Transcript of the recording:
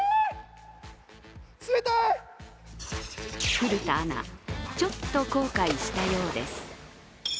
古田アナ、ちょっと後悔したようです。